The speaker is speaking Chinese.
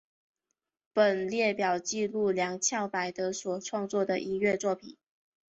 本列表记录梁翘柏的所创作的音乐作品